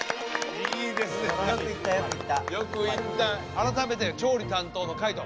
改めて調理担当の海人